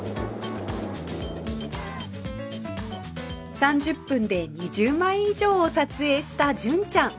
３０分で２０枚以上を撮影した純ちゃん